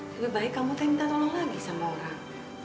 lebih baik kamu saya minta tolong lagi sama orang